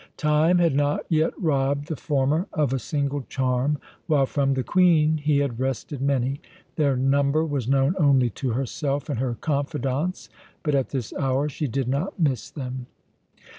Time had not yet robbed the former of a single charm, while from the Queen he had wrested many; their number was known only to herself and her confidantes, but at this hour she did not miss them.